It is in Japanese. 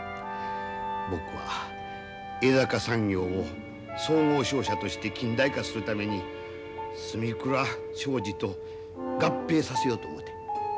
僕は江坂産業を総合商社として近代化するために住倉商事と合併させようと思てん。